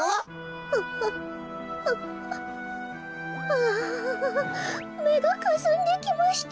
あめがかすんできました。